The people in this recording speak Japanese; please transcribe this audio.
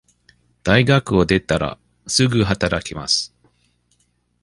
大学を出たら、すぐ働きます。